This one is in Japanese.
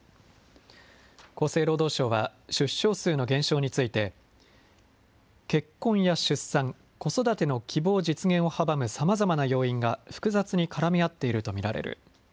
厚生労働省は出生数の減少について、結婚や出産、子育ての希望実現を阻む、さまざまな要因が複雑に絡み合っていると見られる。